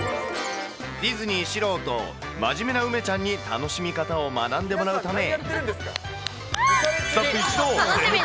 ディズニー素人、真面目な梅ちゃんに楽しみ方を学んでもらうため。